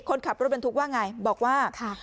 คนขับรถบรรทุกว่าไงบอกว่า